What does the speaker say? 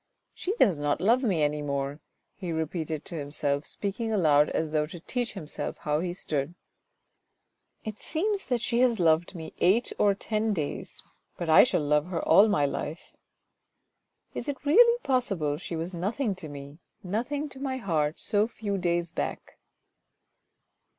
"She does not love me any more," he repeated to himself, speaking aloud as though to teach himself how he stood. " It seems that she has loved me eight or ten days, but I shall love her all my life." " Is it really possible she was nothing to me, nothing to my heart so few days back